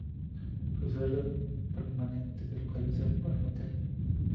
Su sede permanente se localiza en Parma, Italia.